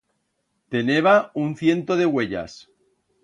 Teneba un ciento de uellas.